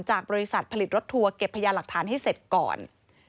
จากบริษัทผลิตรถทัวร์เก็บพยานหลักฐานให้เสร็จก่อน